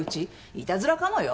いたずらかもよ。